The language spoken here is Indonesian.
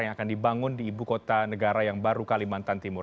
yang akan dibangun di ibu kota negara yang baru kalimantan timur